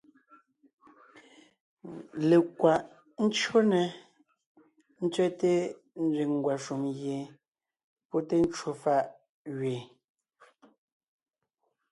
Lekwaʼ ncÿó nɛ́ tsẅɛ́te nzẅìŋ ngwàshùm gie pɔ́ té ncwò fàʼ gẅeen,